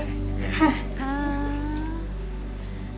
ครับ